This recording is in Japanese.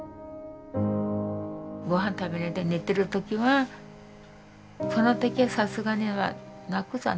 ごはん食べないで寝てる時はその時はさすがに泣くさね。